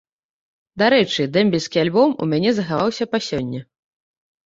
Дарэчы, дэмбельскі альбом у мяне захаваўся па сёння.